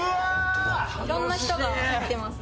色んな人が入ってます